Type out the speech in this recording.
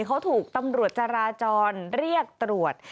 เขาถูกตำรวจจราจรเรียกตรวจ